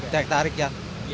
teh tarik ya